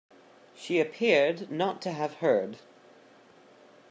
She appeared not to have heard.